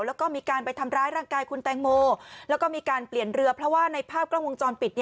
แล้วก็มีการไปทำร้ายร่างกายคุณแตงโมแล้วก็มีการเปลี่ยนเรือเพราะว่าในภาพกล้องวงจรปิด